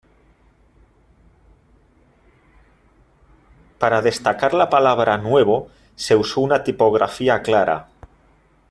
Para destacar la palabra "Nuevo" se usó una tipografía clara.